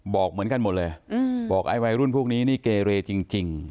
บอกเหมือนกันหมดเลยบอกไอ้วัยรุ่นพวกนี้นี่เกเรจริง